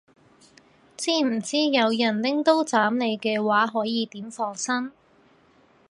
知唔知有人拎刀斬你嘅話可以點防身